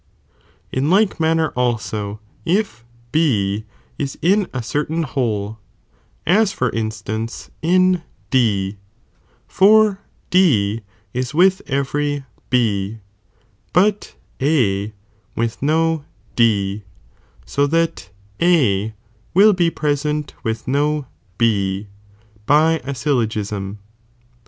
In like manner also, i tain whole, as for instance, in D, for D is with every B, but I A with DO D, so that A will be present with no , ,3 by a syllogism.